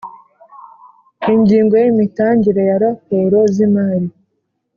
ingingo y imitangire ya raporo z imari